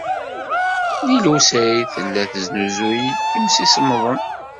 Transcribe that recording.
Lila u Saɛid tella tesnuzuy imsisemḍen.